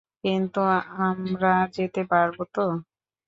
কিন্তু আমরা যেতে পারবো তো?